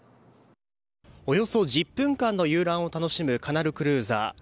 およそ１０分間の遊覧を楽しむカナルクルーザー。